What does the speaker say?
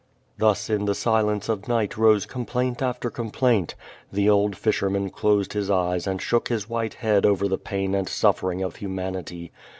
*' Thus in the silence of night rose complaint qfter complaint. The old fisherman closed his eyes and shook his white head o\'er the pain and suffering of humanity.